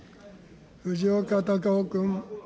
藤岡隆雄君。